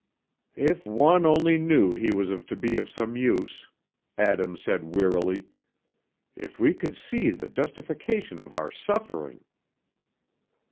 '" "If one only knew he was to be of some use," Adam said wearily; "if we could see the justification of our suffering."